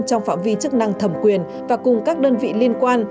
trong phạm vi chức năng thẩm quyền và cùng các đơn vị liên quan